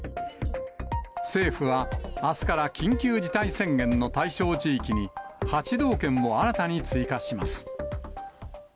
政府は、あすから緊急事態宣言の対象地域に、８道県を新たに追加します。